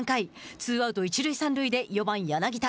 ツーアウト、一塁三塁で４番柳田。